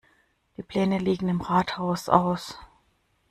Die Pläne liegen im Rathaus aus.